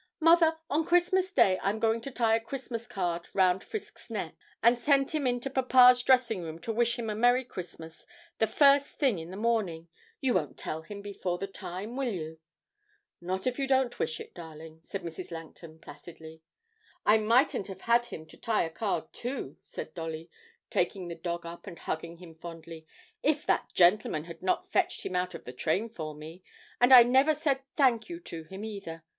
Mother, on Christmas Day I'm going to tie a Christmas card round Frisk's neck, and send him into papa's dressing room to wish him a Merry Christmas, the first thing in the morning you won't tell him before the time, will you?' 'Not if you don't wish it, darling,' said Mrs. Langton, placidly. 'I mightn't have had him to tie a card to,' said Dolly, taking the dog up and hugging him fondly, 'if that gentleman had not fetched him out of the train for me; and I never said "thank you" to him either.